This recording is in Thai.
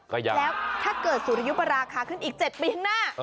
แล้วถ้าเกิดสุริยุปราคาขึ้นอีก๗ปีข้างหน้า